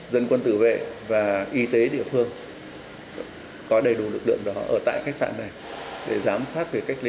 dân quân tự vệ và y tế địa phương có đầy đủ lực lượng đó ở tại khách sạn này để giám sát về cách ly